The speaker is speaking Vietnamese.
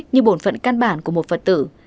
như bổn phận căn bản của một phật tử